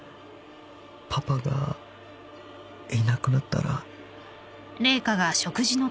パパがいなくなったら。